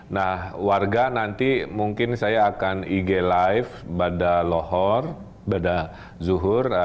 nah warga nanti mungkin saya akan ig live pada lohor pada zuhur